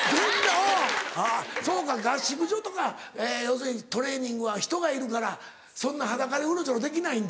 そうか合宿所とか要するにトレーニングはひとがいるからそんな裸でうろちょろできないんだ。